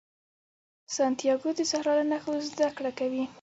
سانتیاګو د صحرا له نښو زده کړه کوي.